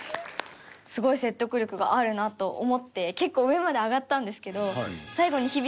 すごい説得力があるなと思って結構上まで上がったんですけど。